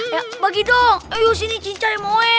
ya bagi dong ayo sini cincai moe